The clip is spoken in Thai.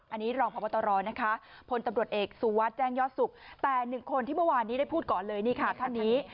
อันนี้รองพบตรนะคะพลตำรวจเอกสุวัสดิ์แจ้งยอดสุขแต่หนึ่งคนที่เมื่อวานนี้ได้พูดก่อนเลยนี่ค่ะท่านนี้